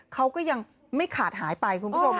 เขาก็ยังไม่ขาดหายไปคุณผู้ชม